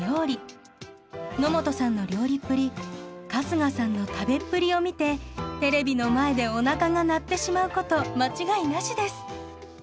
野本さんの料理っぷり春日さんの食べっぷりを見てテレビの前でおなかが鳴ってしまうこと間違いなしです。